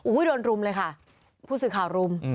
โดนรุมเลยค่ะผู้สื่อข่าวรุม